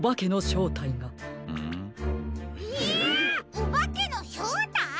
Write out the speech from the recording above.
おばけのしょうたい！？